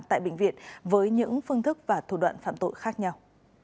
tại bệnh viện với những phương thức và thủ đoạn phạm tội khác nhau